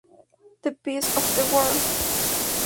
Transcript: The Bees of the World.